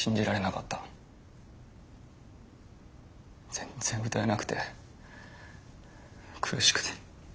全然歌えなくて苦しくて。